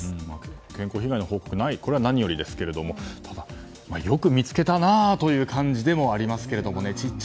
健康被害の報告がないことは何よりですがただ、よく見つけたなという感じでもありますけどね。